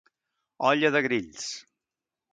Olla de grills.